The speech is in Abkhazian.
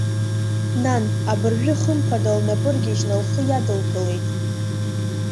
Нан, абыржәы, хымԥада лнапы ыргьежьны лхы иадылкылеит.